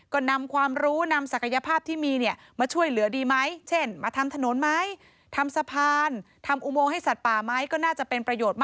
ก็นำความรู้นำศักยภาพที่มีเนี่ยมาช่วยเหลือดีไหม